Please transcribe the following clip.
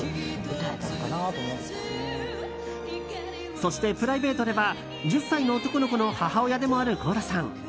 そして、プライベートでは１０歳の男の子の母親でもある倖田さん。